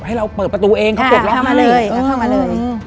ให้เราเปิดประตูเองเขาเปิดเราให้ค่ะเข้ามาเลยเข้ามาเลย